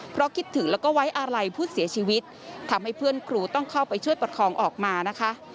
เพราะคิดถึงแล้วก็ไว้อาลัยผู้เสียชีวิตทำให้เพื่อนครูต้องเข้าไปช่วยประคองออกมานะคะ